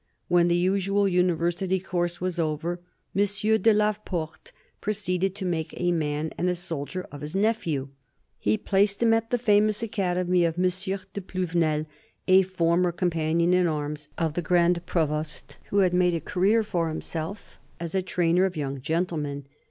When the usual University course was over, M. de la Porte proceeded to make a man and a soldier of his nephew. He placed him at the famous Academy of M. de Pluvinel, a former companion in arms of the Grand Provost, who had made a career for himself as a trainer of young gentlemen.